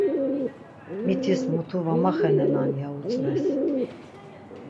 Mitis mutu var maxenenan ya utzves..